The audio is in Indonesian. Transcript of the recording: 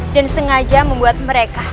dan sengaja membuat mereka